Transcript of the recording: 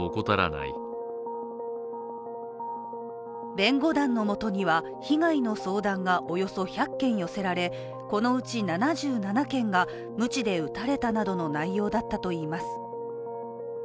弁護団のもとには、被害の相談がおよそ１００件寄せられこのうち７７件がムチで打たれたなどの内容だったといいます。